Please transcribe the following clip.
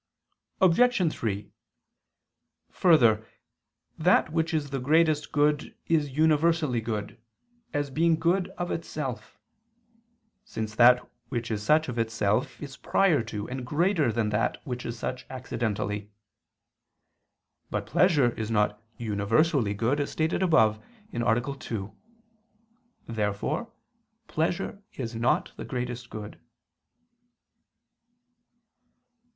Obj. 3: Further, that which is the greatest good is universally good, as being good of itself: since that which is such of itself is prior to and greater than that which is such accidentally. But pleasure is not universally good, as stated above (A. 2). Therefore pleasure is not the greatest good.